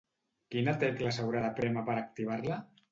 Quina tecla s'haurà de prémer per activar-la?